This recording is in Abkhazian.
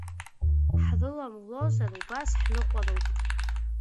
Ҳрыламлозар, убас ҳныҟәароуп.